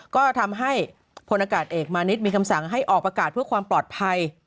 ก็ทำให้พลอากาศเอกมานิดมีคำสั่งให้ออกประกาศเพื่อความปลอดภัย